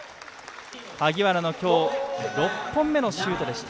萩原のきょう６本目のシュートでした。